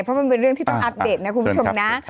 เพราะมันเป็นเรื่องที่ต้องอัปเดตนะคุณผู้ชมนะ